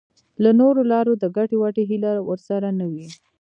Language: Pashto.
له نورو لارو د ګټې وټې هیله ورسره نه وي.